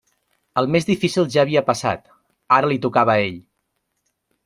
El més difícil ja havia passat: ara li tocava a ell.